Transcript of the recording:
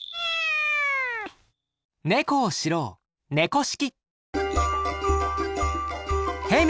ネコを知ろう「猫識」。